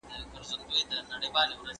که لابراتوارونه وي نو تجربه نه پاتې کیږي.